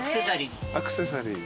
アクセサリー。